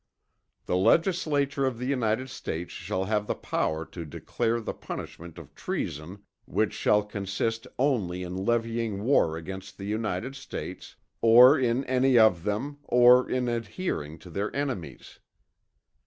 The Legislature of the United States shall have the Power to declare the Punishment of Treason which shall consist only in levying War against the United States or any of them or in adhering to their Enemies.